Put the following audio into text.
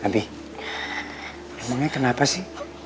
abi emangnya kenapa sih